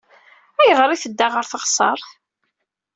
Ayɣer ay tedda ɣer teɣsert?